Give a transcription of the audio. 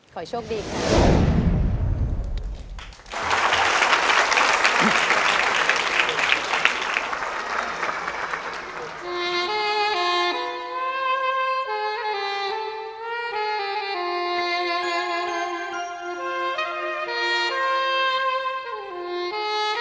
ขอโชคดีครับ